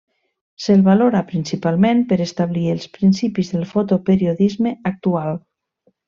Se'l valora, principalment, per establir els principis del fotoperiodisme actual.